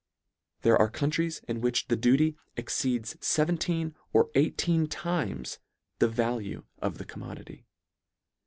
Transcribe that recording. There are countries in which the duty exceeds feventeen or eigh teen times the value of the commodity.